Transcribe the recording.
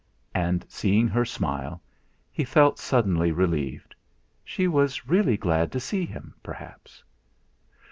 And, seeing her smile, he felt suddenly relieved. She was really glad to see him, perhaps.